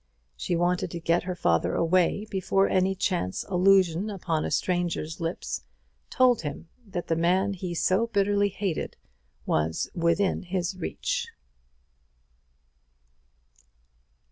She wanted to get her father away before any chance allusion upon a stranger's lips told him that the man he so bitterly hated was within his reach.